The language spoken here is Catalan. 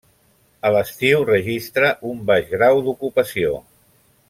A l'estiu registra un baix grau d'ocupació.